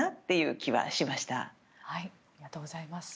ありがとうございます。